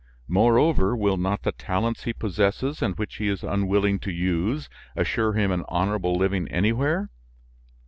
Moreover, will not the talents he possesses and which he is unwilling to use assure him an honorable living anywhere?